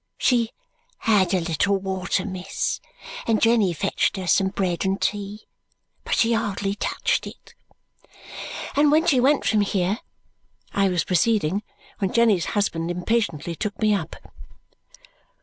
"She had a little water, miss, and Jenny fetched her some bread and tea. But she hardly touched it." "And when she went from here," I was proceeding, when Jenny's husband impatiently took me up.